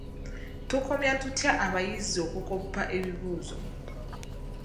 Tukomya tutya abayizi okukoppa ebibuuzo.